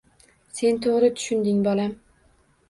Sen to‘g‘ri tushungin, bolam